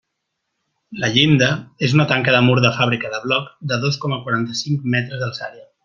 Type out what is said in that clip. La llinda és una tanca de mur de fàbrica de bloc de dos coma quaranta-cinc metres d'alçària.